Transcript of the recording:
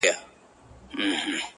وران خو وراني كيسې نه كوي”